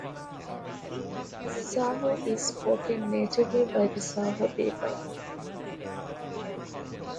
Saho is spoken natively by the Saho people.